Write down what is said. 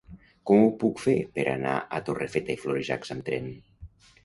Com ho puc fer per anar a Torrefeta i Florejacs amb tren?